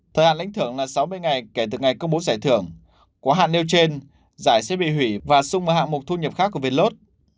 đoạn lĩnh thưởng là sáu mươi ngày kể từ ngày công bố giải thưởng quá hạn nêu trên giải sẽ bị hủy và sung vào hạng mục thu nhập khác của vé lốt